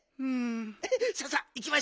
さあさあいきましょう。